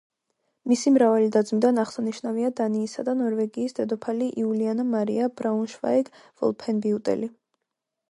მისი მრავალი და-ძმიდან აღსანიშნავია დანიისა და ნორვეგიის დედოფალი იულიანა მარია ბრაუნშვაიგ-ვოლფენბიუტელი.